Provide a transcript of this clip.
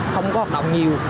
không có hoạt động nhiều